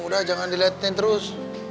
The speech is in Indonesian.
udah jangan diliatin terus